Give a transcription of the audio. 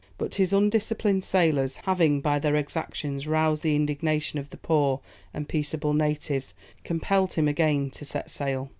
But his undisciplined sailors, having by their exactions roused the indignation of the poor and peaceable natives, compelled him again to set sail.